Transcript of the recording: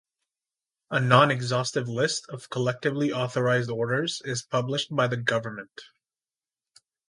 A non-exhaustive list of collectively authorised orders is published by the government.